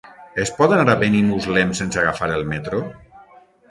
Es pot anar a Benimuslem sense agafar el metro?